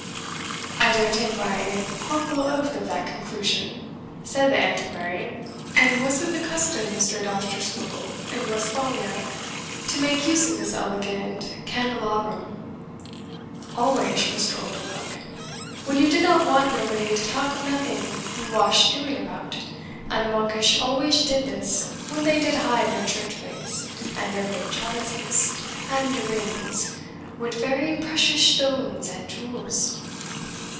"I dare take my corporal oath of that conclusion," said the Antiquary. "And was it the custom, Mr. Dousterswivel, in Westphalia, to make use of this elegant candelabrum?" "Alwaysh, Mr. Oldenbuck, when you did not want nobody to talk of nothing you wash doing about And the monksh alwaysh did this when they did hide their church plates, and their great chalices, and de rings, wid very preshious shtones and jewels."